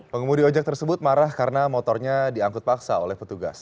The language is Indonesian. pengemudi ojek tersebut marah karena motornya diangkut paksa oleh petugas